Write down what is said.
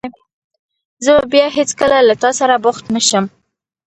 زه به بیا هېڅکله له تاسره بوخت نه شم.